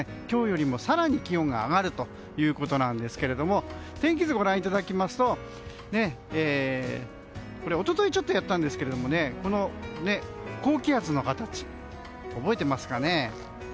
今日よりも更に気温が上がるということなんですけれども天気図ご覧いただきますと一昨日ちょっとやったんですがこの高気圧の形覚えていますかね。